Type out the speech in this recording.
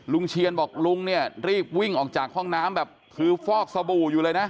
เชียนบอกลุงเนี่ยรีบวิ่งออกจากห้องน้ำแบบคือฟอกสบู่อยู่เลยนะ